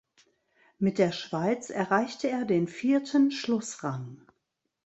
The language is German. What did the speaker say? Mit der Schweiz erreichte er den vierten Schlussrang.